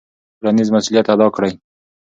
ټولنیز مسوولیت ادا کړئ.